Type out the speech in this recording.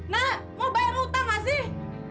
nak mau bayar utang gak sih